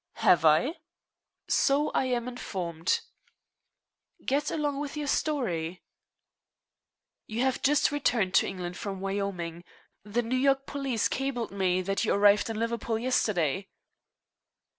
"Have I?" "So I am informed." "Get along with your story." "You have just returned to England from Wyoming. The New York police cabled me that you arrived in Liverpool yesterday."